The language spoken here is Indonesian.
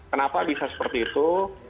kenapa bisa seperti itu